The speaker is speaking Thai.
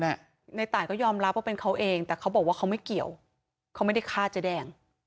ในตายก็ยอมรับว่าเป็นเขาเองแต่เขาบอกว่าเขาไม่เกี่ยวเขาไม่ได้ฆ่าเจ๊แดง